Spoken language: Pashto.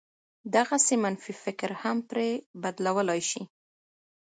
دغسې منفي فکر هم پرې بدلولای شي.